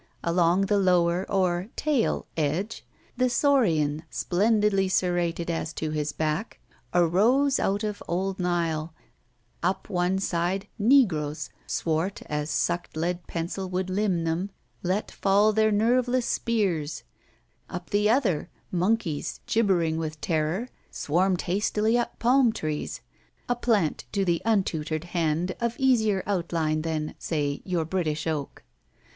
Along the lower or "tail" edge, the saurian, splendidly serrated as to his back, arose out of old Nile; up one side negroes, swart as sucked lead pencil could limn them, let fall their nerveless spears; up the other, monkeys, gibbering with terror, swarmed hastily up palm trees—a plant to the untutored hand of easier outline than (say) your British oak.